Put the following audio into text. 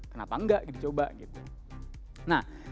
kenapa enggak coba